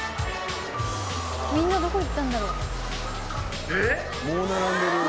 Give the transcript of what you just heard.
みんなどこ行ったんだろう？